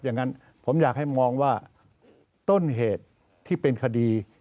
อย่างนั้นผมอยากให้มองว่าต้นเหตุที่เป็นคดี